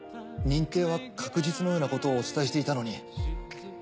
認定は確実のようなことをお伝えしていたのに。